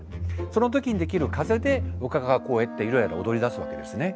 その時にできる風でおかかがこうやってゆらゆら踊りだすわけですね。